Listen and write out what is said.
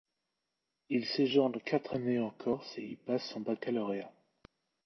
Il séjourne quatre années en Corse et y passe son baccalauréat.